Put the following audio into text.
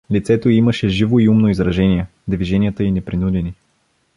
Лицето й имаше живо и умно изражение; движенията й непринудени.